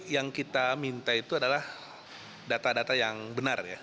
yang kita minta itu adalah data data yang benar ya